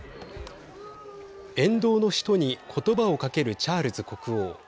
沿道の人に言葉をかけるチャールズ国王。